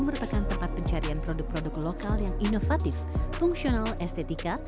merupakan tempat pencarian produk produk lokal yang inovatif fungsional estetika